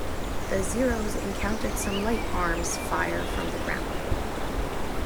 The Zeroes encountered some light arms fire from the ground.